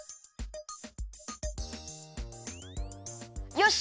よし！